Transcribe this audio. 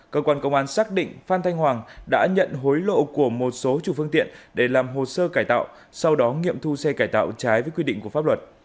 cơ quan công an xác định phan thanh hoàng đã nhận hối lộ của một số chủ phương tiện để làm hồ sơ cải tạo sau đó nghiệm thu xe cải tạo trái với quy định của pháp luật